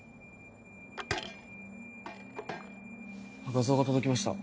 画像が届きました。